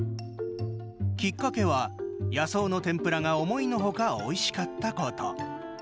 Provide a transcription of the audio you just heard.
きっかけは、野草の天ぷらが思いのほか、おいしかったこと。